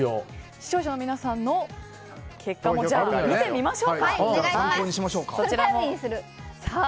視聴者の皆さんの結果も見てみましょうか。